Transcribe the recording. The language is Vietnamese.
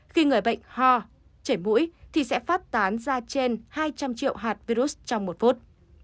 khi người bệnh ho chảy mũi thì sẽ phát tán ra trên hai trăm linh triệu hạt virus trong một phút